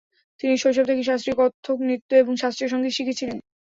তিনি শৈশব থেকেই শাস্ত্রীয় কত্থক নৃত্য এবং শাস্ত্রীয় সংগীত শিখেছিলেন।